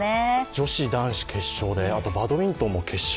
女子男子決勝で、バドミントンも決勝。